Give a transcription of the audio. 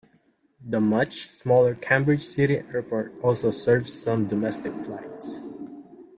The much smaller Cambridge City Airport also serves some domestic flights.